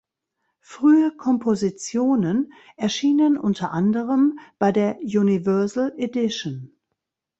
Frühe Kompositionen erschienen unter anderem bei der Universal Edition.